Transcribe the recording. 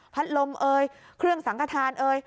ลมเอ่ยเครื่องสังขทานเอ่ย